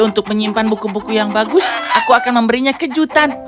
untuk menyimpan buku buku yang bagus aku akan memberinya kejutan